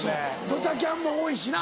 ドタキャンも多いしな。